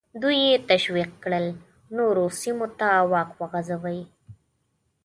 دوی یې تشویق کړل نورو سیمو ته واک وغځوي.